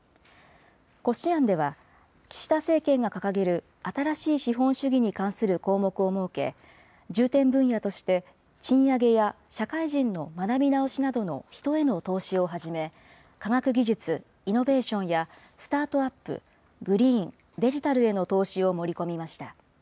骨子案では、岸田政権が掲げる新しい資本主義に関する項目を設け、重点分野として賃上げや社会人の学び直しなどの人への投資をはじめ、科学技術・イノベーションや、スタートアップ、グリーン、デジタルへの投資を盛り込みました。